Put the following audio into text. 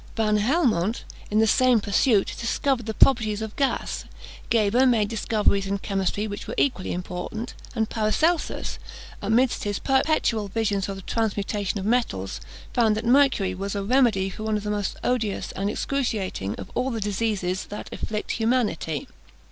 Van Helmont, in the same pursuit, discovered the properties of gas; Geber made discoveries in chemistry which were equally important; and Paracelsus, amidst his perpetual visions of the transmutation of metals, found that mercury was a remedy for one of the most odious and excruciating of all the diseases that afflict humanity.